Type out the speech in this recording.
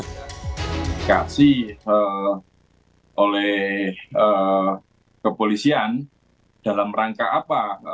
kepolisian dikasih oleh kepolisian dalam rangka apa